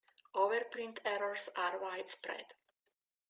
Overprint errors are widespread.